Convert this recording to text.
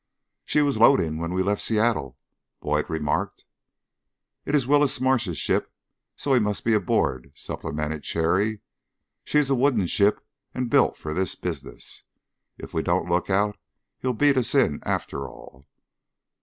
"She was loading when we left Seattle," Boyd remarked. "It is Willis Marsh's ship, so he must be aboard," supplemented Cherry. "She's a wooden ship, and built for this business. If we don't look out he'll beat us in, after all."